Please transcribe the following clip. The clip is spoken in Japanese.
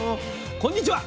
こんにちは。